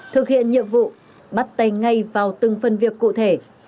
thực hiện nhiệm vụ bắt tay ngay vào từng phần việc cụ thể